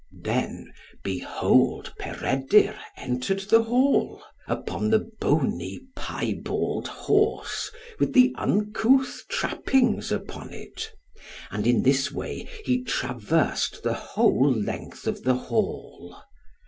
Then, behold Peredur entered the Hall, upon the bony piebald horse, with the uncouth trappings upon it; and in this way he traversed the whole length of the Hall.